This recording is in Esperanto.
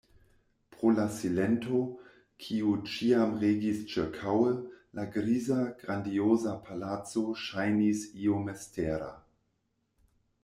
Pro la silento, kiu ĉiam regis ĉirkaŭe, la griza, grandioza palaco ŝajnis io mistera.